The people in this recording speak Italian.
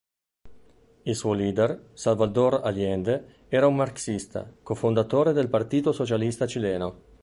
Il suo leader, Salvador Allende, era un marxista, cofondatore del Partito Socialista Cileno.